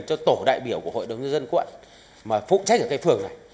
cho tổ đại biểu của hội đồng nhân dân quận mà phụ trách ở cái phường này